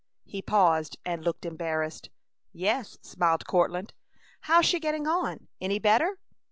He paused and looked embarrassed. "Yes," smiled Courtland. "How's she getting on? Any better?"